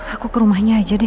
aku ke rumahnya aja deh